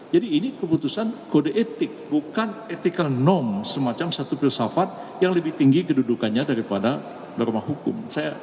jadi ini keputusan kode etik bukan ethical norm semacam satu filsafat yang lebih tinggi kedudukannya daripada norma hukum